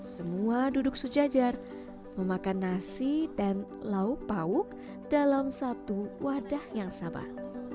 semua duduk sejajar memakan nasi dan lauk pauk dalam satu wadah yang sabar